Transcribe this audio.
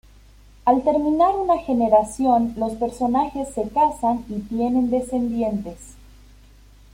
Al terminar una generación, los personajes se casan y tienen descendientes.